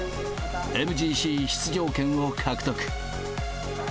ＭＧＣ出場権を獲得。